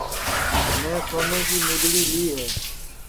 میں سونے کی مُدؔڑی لی ہے